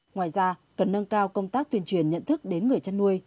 ngoài ra cần nâng cao công tác tuyên truyền nhận thức đến người chăn nuôi